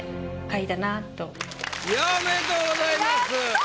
ありがとうございます。